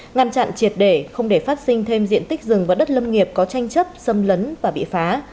ngăn chặn triệt để không để phát sinh thêm diện tích rừng và đất lâm nghiệp có tranh chấp xâm lấn và bị phá